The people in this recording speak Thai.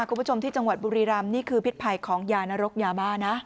คุณผู้ชมที่จังหวัดบุรีรำนี่คือพิษภัยของยานรกยาบ้านะ